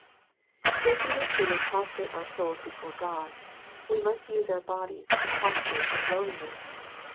If we would truly prostrate our souls before God, we must use our bodies to postures of lowliness.